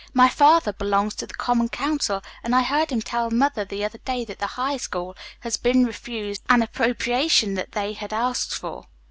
"My father belongs to the common council, and I heard him tell mother the other day that the High School had been refused an appropriation that they had asked for."